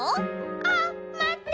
「あっまって。